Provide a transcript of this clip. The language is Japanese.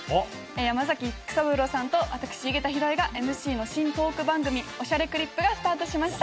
山崎育三郎さんと私井桁弘恵がＭＣの新トーク番組『おしゃれクリップ』がスタートしました。